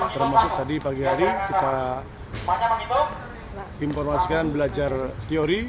termasuk tadi pagi hari kita informasikan belajar teori